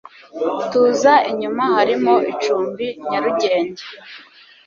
tuza inyuma harimo icumbi nyarugenge